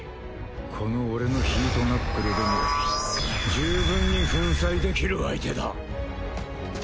この俺のヒートナックルでも十分に粉砕できる相手だ。